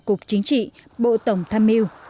cục chính trị bộ tổng tham mưu